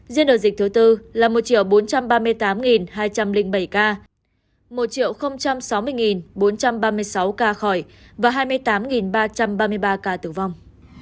riêng đợt dịch thứ tư là một bốn trăm ba mươi tám hai trăm linh bảy ca một sáu mươi bốn trăm ba mươi sáu ca khỏi và hai mươi tám ba trăm ba mươi ba ca tử vong